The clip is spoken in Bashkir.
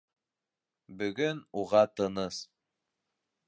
Бөгөн уға тыныс.